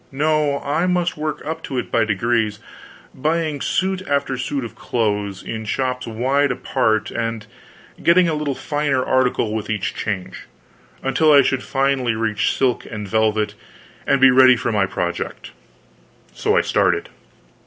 No, I must work up to it by degrees, buying suit after suit of clothes, in shops wide apart, and getting a little finer article with each change, until I should finally reach silk and velvet, and be ready for my project. So I started.